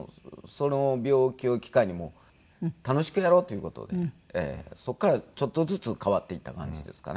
その病気を機会に楽しくやろうという事でそこからちょっとずつ変わっていった感じですかね。